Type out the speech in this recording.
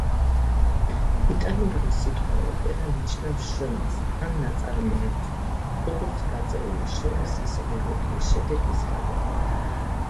იტალიური სიტყვა opera ნიშნავს „შრომას“ ან „ნაწარმოებს“, როგორც გაწეული შრომის, ისე მიღებული შედეგის გაგებით.